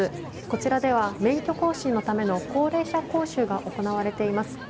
こちらでは免許更新のための高齢者講習が行われています。